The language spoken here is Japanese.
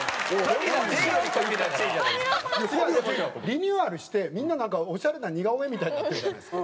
リニューアルしてみんななんかオシャレな似顔絵みたいになってるじゃないですか。